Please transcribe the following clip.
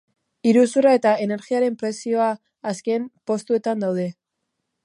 Iruzurra eta energiaren prezioa azken postuetan daude.